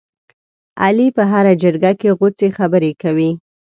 علي په هره جرګه کې غوڅې خبرې کوي.